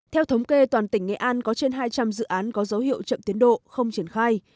theo thống kê toàn tỉnh nghệ an có trên hai trăm linh dự án có dấu hiệu chậm tiến độ không triển khai